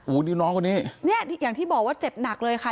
โอ้โหนี่น้องคนนี้เนี่ยอย่างที่บอกว่าเจ็บหนักเลยค่ะ